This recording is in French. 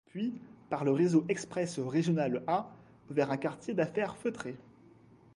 Puis, par le réseau express régional A, vers un quartier d’affaires feutré.